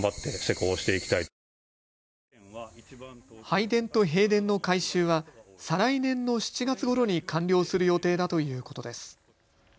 拝殿と幣殿の改修は再来年の７月ごろに完了する予定だということです。